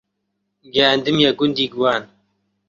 گەیاندمیە گوندی گوان